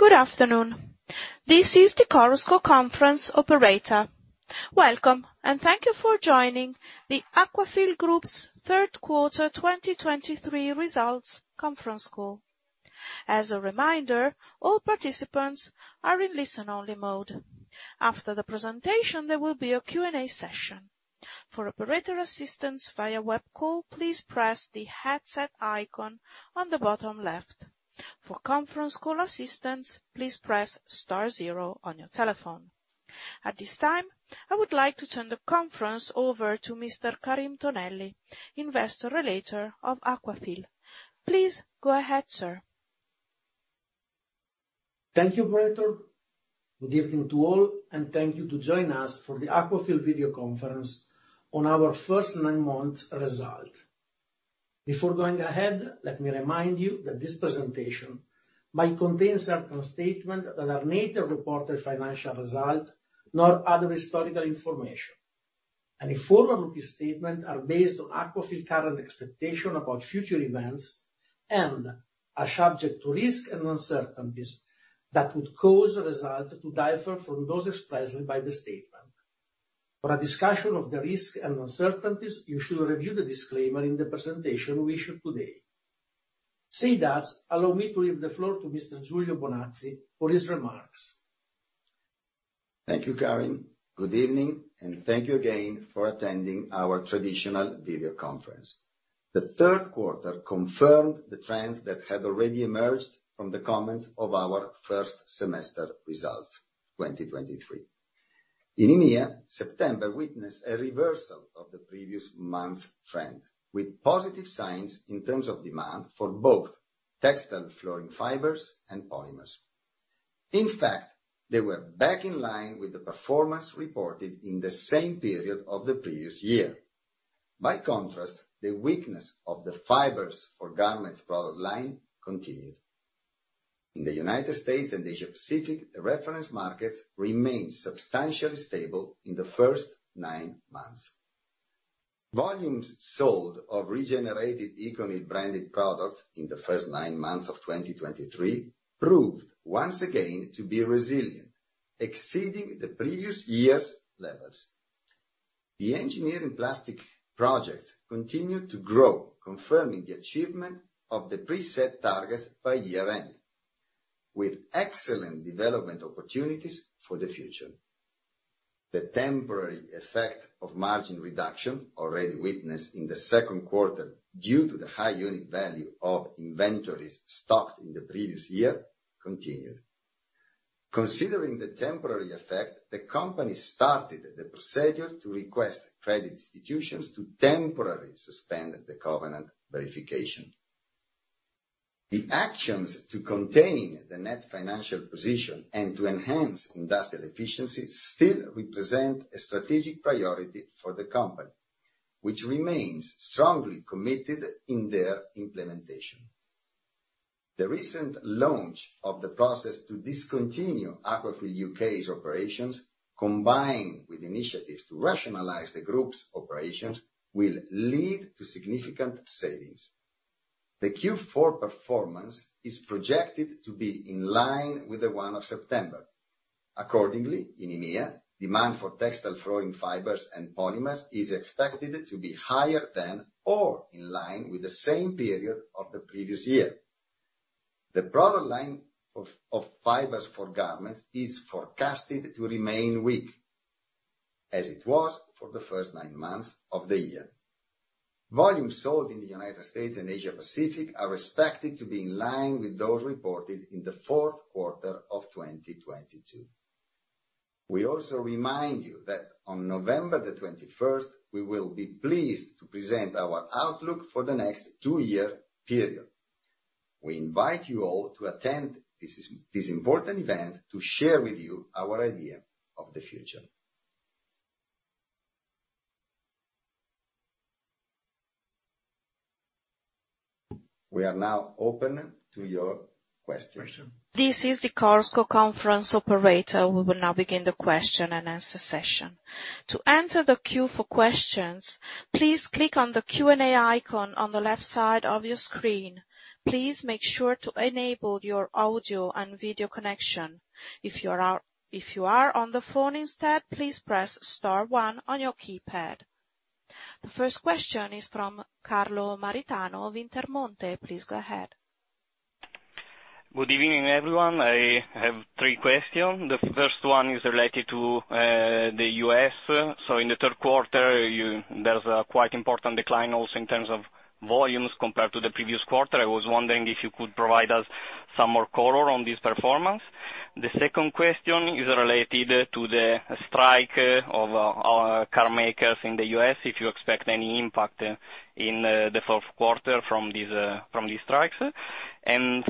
Good afternoon. This is the Chorus Call conference operator. Welcome, and thank you for joining the Aquafil Group's third quarter 2023 results conference call. As a reminder, all participants are in listen-only mode. After the presentation, there will be a Q&A session. For operator assistance via web call, please press the headset icon on the bottom left. For conference call assistance, please press star zero on your telephone. At this time, I would like to turn the conference over to Mr. Karim Tonelli, Investor Relations Director of Aquafil. Please, go ahead, sir. Thank you, operator. Good evening to all, and thank you to join us for the Aquafil video conference on our first nine months result. Before going ahead, let me remind you that this presentation might contain certain statement that are neither reported financial result nor other historical information. Any forward-looking statement are based on Aquafil current expectation about future events and are subject to risk and uncertainties that would cause a result to differ from those expressed by the statement. For a discussion of the risk and uncertainties, you should review the disclaimer in the presentation we issue today. Said that, allow me to leave the floor to Mr. Giulio Bonazzi for his remarks. Thank you, Karim. Good evening, and thank you again for attending our traditional video conference. The third quarter confirmed the trends that had already emerged from the comments of our first semester results 2023. In EMEA, September witnessed a reversal of the previous month's trend, with positive signs in terms of demand for both textile flooring fibers and polymers. In fact, they were back in line with the performance reported in the same period of the previous year. By contrast, the weakness of the fibers for garments product line continued. In the United States and Asia Pacific, the reference markets remained substantially stable in the first nine months. Volumes sold of regenerated ECONYL-branded products in the first nine months of 2023 proved once again to be resilient, exceeding the previous year's levels. The engineering plastic projects continued to grow, confirming the achievement of the preset targets by year-end, with excellent development opportunities for the future. The temporary effect of margin reduction, already witnessed in the second quarter due to the high unit value of inventories stocked in the previous year, continued. Considering the temporary effect, the company started the procedure to request credit institutions to temporarily suspend the covenant verification. The actions to contain the net financial position and to enhance industrial efficiency still represent a strategic priority for the company, which remains strongly committed in their implementation. The recent launch of the process to discontinue Aquafil U.K.'s operations, combined with initiatives to rationalize the Group's operations, will lead to significant savings. The Q4 performance is projected to be in line with the one of September. Accordingly, in EMEA, demand for textile flooring fibers and polymers is expected to be higher than or in line with the same period of the previous year. The product line of fibers for garments is forecasted to remain weak, as it was for the first nine months of the year. Volumes sold in the U.S. and Asia Pacific are expected to be in line with those reported in the fourth quarter of 2022. We also remind you that on November 21st, we will be pleased to present our outlook for the next two-year period. We invite you all to attend this important event to share with you our idea of the future. We are now open to your questions. This is the Chorus Call conference operator. We will now begin the question-and-answer session. To enter the queue for questions, please click on the Q&A icon on the left side of your screen. Please make sure to enable your audio and video connection. If you are on the phone instead, please press star 1 on your keypad. The first question is from Carlo Maritano of Intermonte. Please go ahead. Good evening, everyone. I have three questions. The first one is related to the U.S. In the third quarter, there's a quite important decline also in terms of volumes compared to the previous quarter. I was wondering if you could provide us some more color on this performance. The second question is related to the strike of our car makers in the U.S., if you expect any impact in the fourth quarter from these strikes.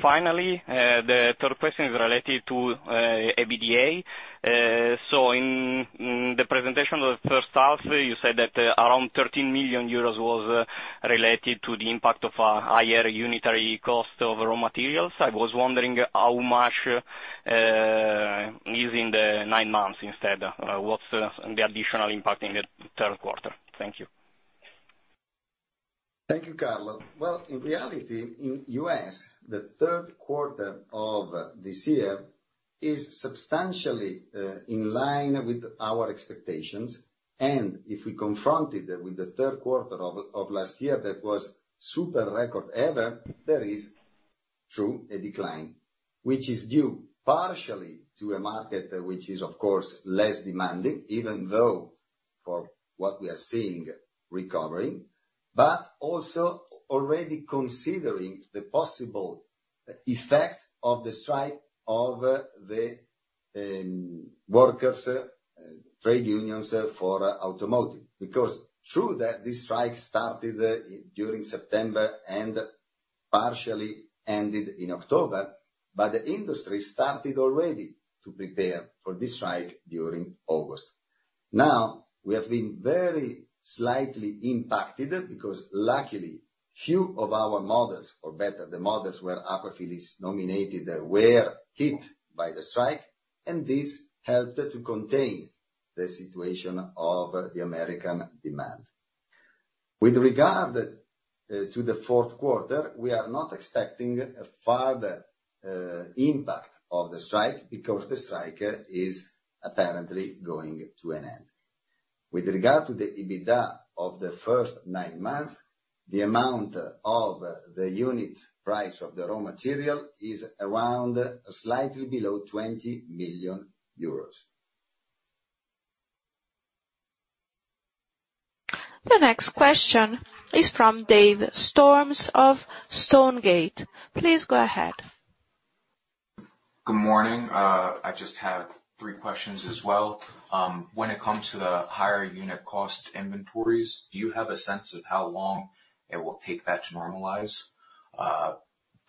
Finally, the third question is related to EBITDA. In the presentation of the first half, you said that around 13 million euros was related to the impact of a higher unitary cost of raw materials. I was wondering how much is in the nine months instead. What's the additional impact in the third quarter? Thank you. Thank you, Carlo. In reality, in U.S., the third quarter of this year is substantially in line with our expectations. If we confront it with the third quarter of last year, that was super record ever, there is true a decline, which is due partially to a market which is, of course, less demanding, even though for what we are seeing recovering. Also already considering the possible effects of the strike of the workers trade unions for automotive. True that this strike started during September and partially ended in October, but the industry started already to prepare for this strike during August. We have been very slightly impacted because luckily few of our models, or better the models where Aquafil is nominated were hit by the strike, and this helped to contain the situation of the American demand. With regard to the fourth quarter, we are not expecting a further impact of the strike because the strike is apparently going to an end. With regard to the EBITDA of the first nine months, the amount of the unit price of the raw material is around slightly below 20 million euros. The next question is from Dave Storms of Stonegate. Please go ahead. Good morning. I just have three questions as well. When it comes to the higher unit cost inventories, do you have a sense of how long it will take that to normalize?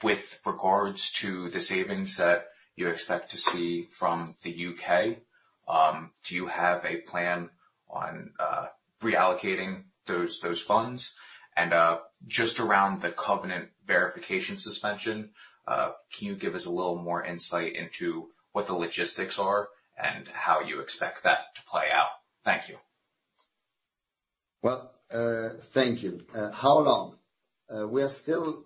With regards to the savings that you expect to see from the U.K., do you have a plan on reallocating those funds? Just around the covenant verification suspension, can you give us a little more insight into what the logistics are and how you expect that to play out? Thank you. Well, thank you. How long? We are still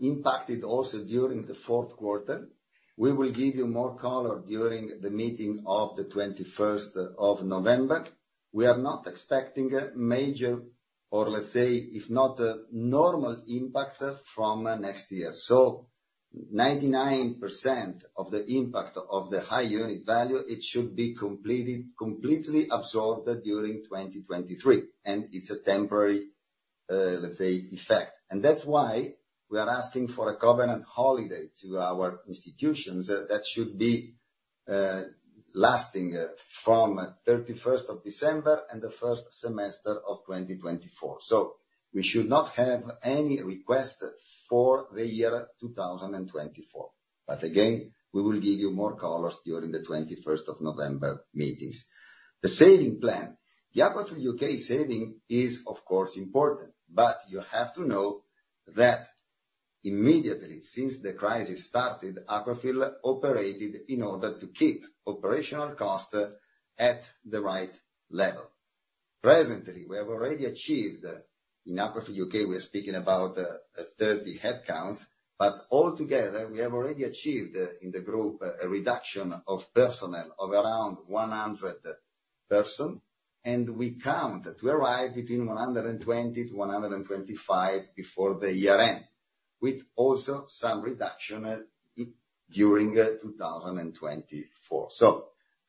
impacted also during the fourth quarter. We will give you more color during the meeting of the 21st of November. We are not expecting major or, let's say, if not normal impacts from next year. 99% of the impact of the high unit value, it should be completely absorbed during 2023. It's a temporary, let's say, effect. That's why we are asking for a covenant holiday to our institutions that should be lasting from 31st of December and the first semester of 2024. We should not have any request for the year 2024. Again, we will give you more colors during the 21st of November meetings. The saving plan. The Aquafil UK saving is of course important, you have to know that immediately since the crisis started, Aquafil operated in order to keep operational cost at the right level. Presently, we have already achieved, in Aquafil UK, we are speaking about a 30 headcounts, but altogether we have already achieved in the group a reduction of personnel of around 100 person, and we count to arrive between 120 to 125 before the year end, with also some reduction during 2024.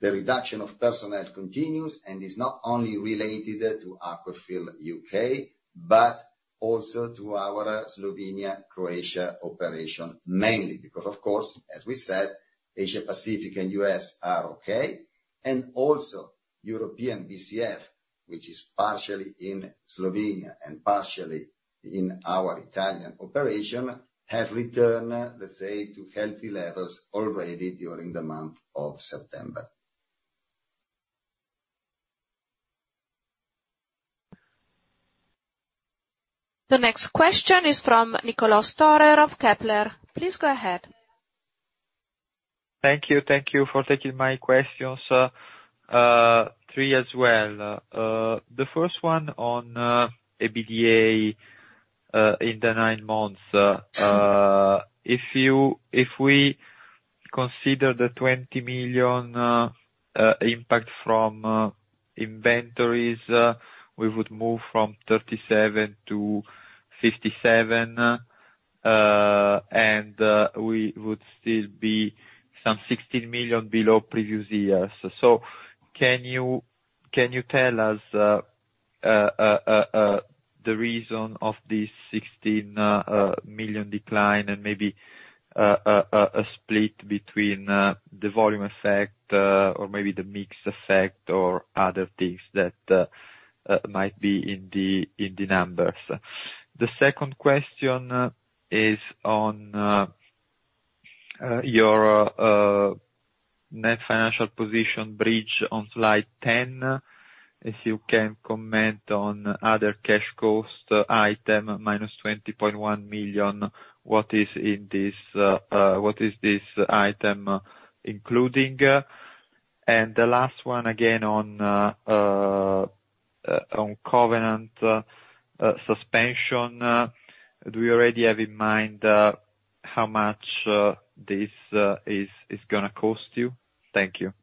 The reduction of personnel continues and is not only related to Aquafil UK, but also to our Slovenia, Croatia operation mainly because, of course, as we said, Asia Pacific and U.S. are okay. Also European BCF, which is partially in Slovenia and partially in our Italian operation, have returned, let's say, to healthy levels already during the month of September. The next question is from Niccolò Storer of Kepler. Please go ahead. Thank you. Thank you for taking my questions, three as well. The first one on EBITDA, in the nine months. If we consider the 20 million impact from inventories, we would move from 37 to 57, and we would still be some 16 million below previous years. Can you tell us the reason of this 16 million decline and maybe a split between the volume effect, or maybe the mix effect, or other things that might be in the numbers? The second question is on your net financial position bridge on slide 10. If you can comment on other cash cost item minus 20.1 million, what is this item including? The last one again on covenant suspension. Do you already have in mind how much this is going to cost you? Thank you.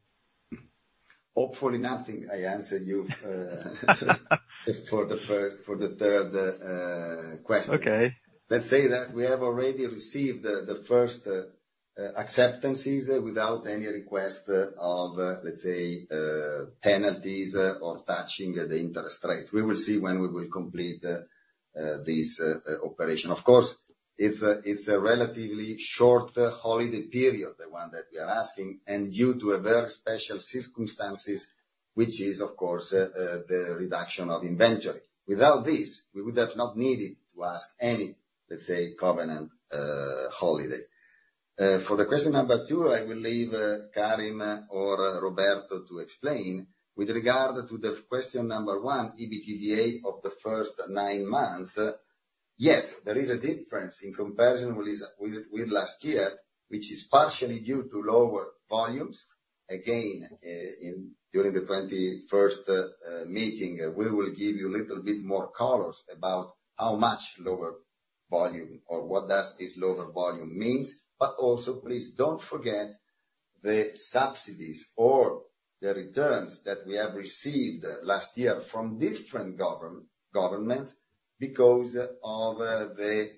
Hopefully nothing, I answer you for the third question. Okay. We have already received the first acceptances without any request of penalties or touching the interest rates. We will see when we will complete this operation. It's a relatively short holiday period, the one that we are asking, and due to very special circumstances, which is the reduction of inventory. Without this, we would have not needed to ask any covenant holiday. For the question number two, I will leave Karim or Roberto to explain. With regard to the question number one, EBITDA of the first nine months, yes, there is a difference in comparison with last year, which is partially due to lower volumes. Again, during the 21st meeting, we will give you a little bit more colors about how much lower volume or what this lower volume means. Please, don't forget the subsidies or the returns that we have received last year from different governments because of the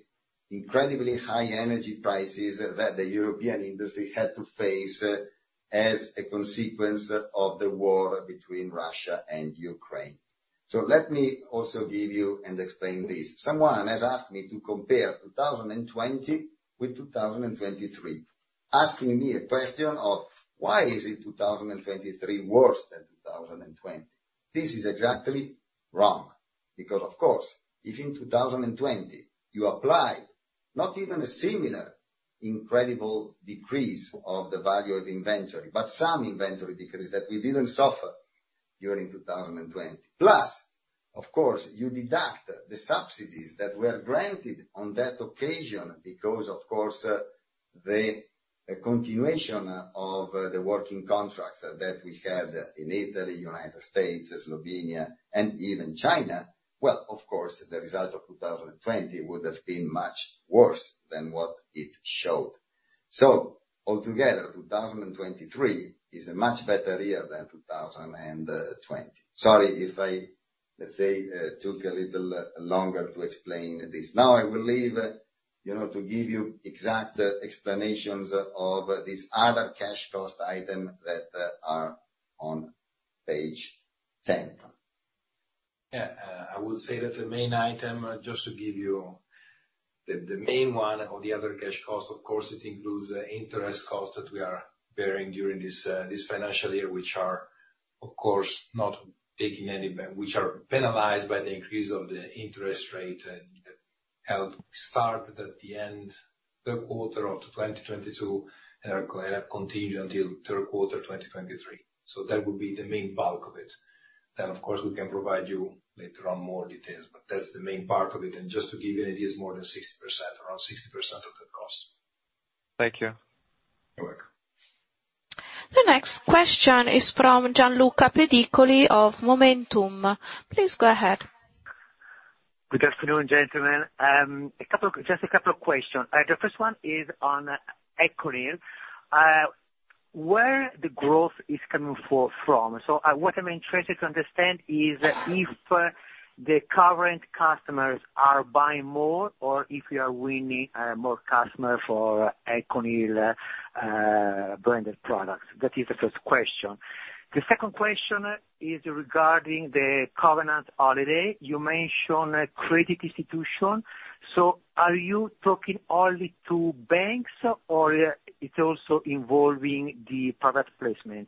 incredibly high energy prices that the European industry had to face as a consequence of the war between Russia and Ukraine. Let me also give you and explain this. Someone has asked me to compare 2020 with 2023, asking me a question of why is it 2023 worse than 2020. This is exactly wrong. If in 2020 you apply not even a similar incredible decrease of the value of inventory, but some inventory decrease that we didn't suffer during 2020. You deduct the subsidies that were granted on that occasion because the continuation of the working contracts that we had in Italy, United States, Slovenia, and even China, the result of 2020 would have been much worse than what it showed. 2023 is a much better year than 2020. Sorry if I took a little longer to explain this. Now I will leave to give you exact explanations of this other cash cost item that are on page 10. I would say that the main item, just to give you the main one or the other cash cost, it includes interest cost that we are bearing during this financial year, which are penalized by the increase of the interest rate and held start at the end third quarter of 2022 and are going to continue until third quarter 2023. That would be the main bulk of it. We can provide you later on more details, but that's the main part of it. Just to give you an idea, it's more than 60%, around 60% of that cost. Thank you. You're welcome. The next question is from Gianluca Pediconi of Momentum. Please go ahead. Good afternoon, gentlemen. Just a couple of questions. The first one is on ECONYL, where the growth is coming from. What I'm interested to understand is if the current customers are buying more or if you are winning more customer for ECONYL branded products. That is the first question. The second question is regarding the covenant holiday. You mentioned a credit institution. Are you talking only to banks, or it's also involving the private placement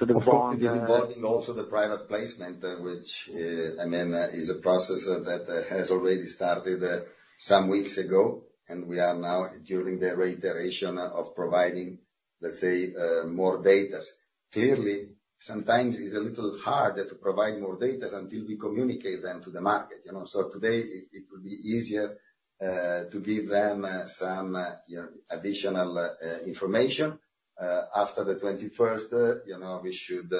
to the bond? Of course, it is involving also the private placement, which is a process that has already started some weeks ago. We are now during the reiteration of providing more data. Clearly, sometimes it's a little hard to provide more data until we communicate them to the market. Today it will be easier to give them some additional information. After the 21st, we should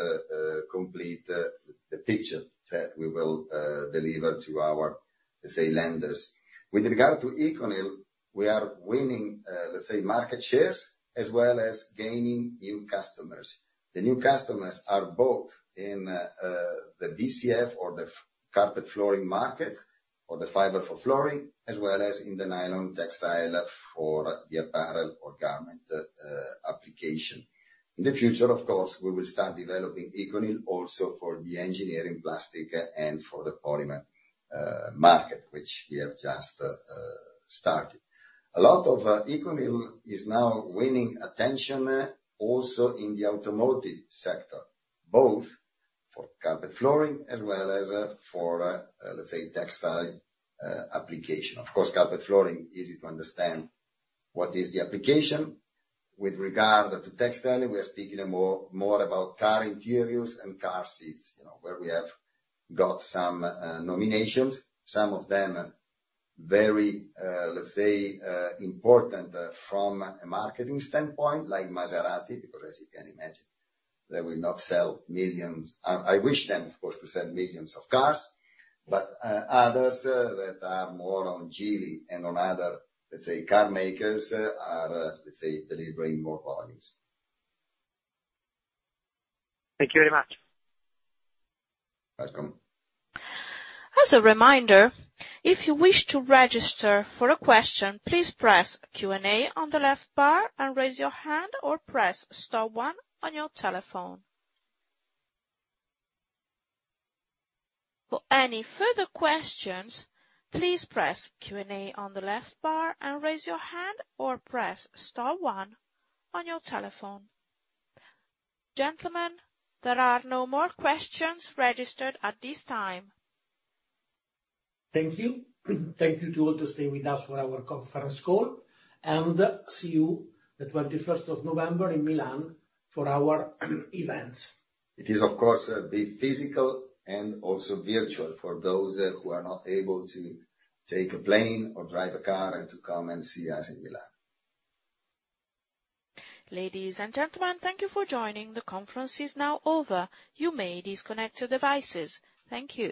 complete the picture that we will deliver to our, let's say, lenders. With regard to ECONYL, we are winning, let's say, market shares as well as gaining new customers. The new customers are both in the BCF or the carpet flooring market or the fiber for flooring, as well as in the nylon textile for the apparel or garment application. In the future, of course, we will start developing ECONYL also for the engineering plastic and for the polymer market, which we have just started. A lot of ECONYL is now winning attention also in the automotive sector, both for carpet flooring as well as for, let's say, textile application. Of course, carpet flooring, easy to understand what is the application. With regard to textile, we are speaking more about car interiors and car seats, where we have got some nominations, some of them very important from a marketing standpoint, like Maserati, because as you can imagine, they will not sell millions. I wish them, of course, to sell millions of cars. Others that are more on Geely and on other car makers are delivering more volumes. Thank you very much. Welcome. As a reminder, if you wish to register for a question, please press Q&A on the left bar and raise your hand or press star one on your telephone. For any further questions, please press Q&A on the left bar and raise your hand or press star one on your telephone. Gentlemen, there are no more questions registered at this time. Thank you. Thank you to all to stay with us for our conference call, see you the 21st of November in Milan for our events. It is, of course, be physical and also virtual for those who are not able to take a plane or drive a car and to come and see us in Milan. Ladies and gentlemen, thank you for joining. The conference is now over. You may disconnect your devices. Thank you